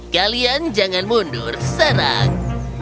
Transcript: kalian jangan mundur serang